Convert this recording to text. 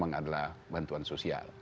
yang adalah bantuan sosial